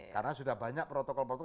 karena sudah banyak protokol protokol